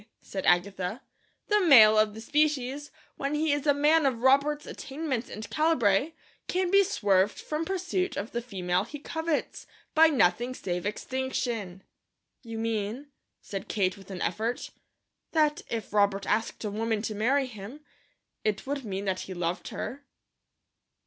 said Agatha. "The male of the species, when he is a man of Robert's attainments and calibre, can be swerved from pursuit of the female he covets, by nothing save extinction." "You mean," said Kate with an effort, "that if Robert asked a woman to marry him, it would mean that he loved her."